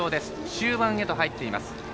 終盤へと入っています。